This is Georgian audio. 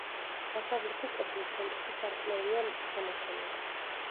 დასავლეთი კედლის ცენტრში სარკმელია შემორჩენილი.